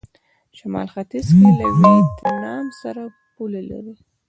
شمال ختيځ کې له ویتنام سره پوله لري.